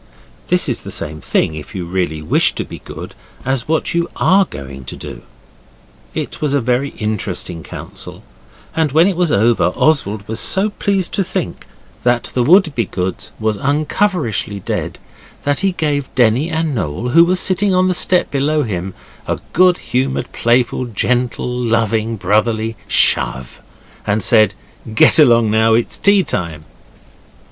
This is the same thing, if you really wish to be good, as what you are going to do. It was a very interesting council, and when it was over Oswald was so pleased to think that the Wouldbegoods was unrecoverishly dead that he gave Denny and Noel, who were sitting on the step below him, a good humoured, playful, gentle, loving, brotherly shove, and said, 'Get along down, it's tea time!